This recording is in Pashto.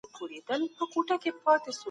ټولنه او سياست له بله جلا نسي کېدای.